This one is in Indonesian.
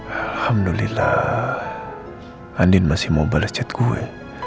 alhamdulillah andin masih mau bales chat gue